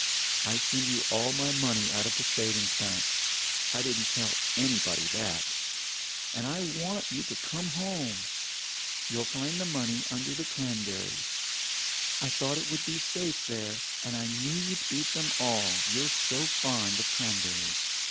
I send you all my money out of the savings bank (I didn't tell anybody that), and I want you to come home. You'll find the money under the cranberries. I thought it would be safe there, and I knew you'd eat them all, you're so fond of cranberries.